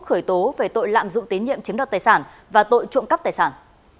khởi tố về tội lạm dụng tín nhiệm chiếm đoạt tài sản và tội trộm cắp tài sản